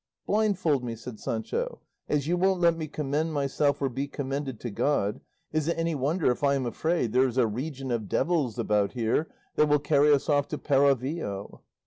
"Blindfold me," said Sancho; "as you won't let me commend myself or be commended to God, is it any wonder if I am afraid there is a region of devils about here that will carry us off to Peralvillo?"